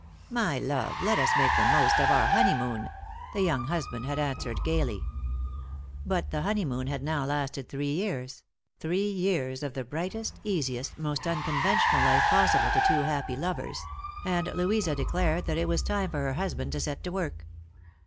" My love, let us make the most of our honeymoon," the young husband had answered gaily. But the honeymoon had now lasted three years — three years of the brightest, easiest, most unconventional life possible to two happy lovers — and Louisa declared that it was time for her husband to set to work.